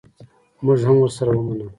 مونږ هم ورسره ومنله.